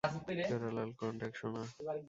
Parallel contact, সোনা?